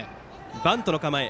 バントの構え。